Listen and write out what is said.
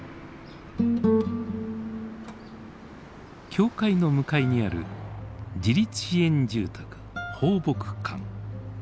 教会の向かいにある自立支援住宅「抱樸館」。